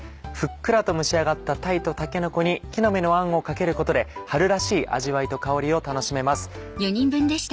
ふっくらと蒸し上がった鯛とたけのこに木の芽のあんをかけることで春らしい味わいと香りを楽しめます。